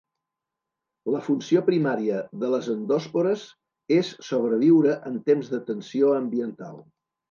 La funció primària de les endòspores és sobreviure en temps de tensió ambiental.